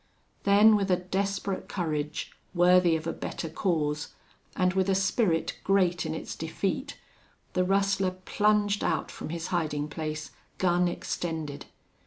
Then with a desperate courage worthy of a better cause, and with a spirit great in its defeat, the rustler plunged out from his hiding place, gun extended.